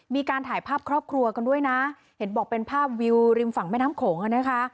มีการถ่ายภาพครอบครัวกันด้วยนะเห็นบอกเป็นภาพวิวริมฝั่งแม่น้ำโขงอ่ะนะคะ